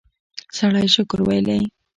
سړی شکر ویلی.